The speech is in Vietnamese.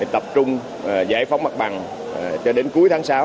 tập trung giải phóng mặt bằng cho đến cuối tháng sáu